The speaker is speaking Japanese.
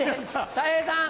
たい平さん。